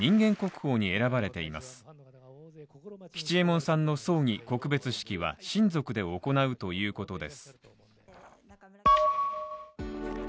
ファンの方が大勢葬儀告別式は親族で行うということです